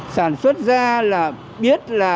sản xuất ra là biết là